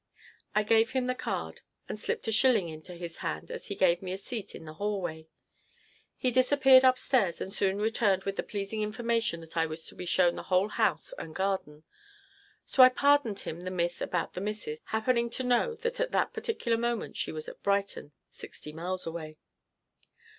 I gave him the card and slipped a shilling into his hand as he gave me a seat in the hallway. He disappeared upstairs and soon returned with the pleasing information that I was to be shown the whole house and garden. So I pardoned him the myth about the missus, happening to know that at that particular moment she was at Brighton, sixty miles away.